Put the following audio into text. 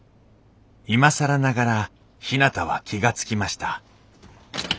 今更ながらひなたは気が付きました。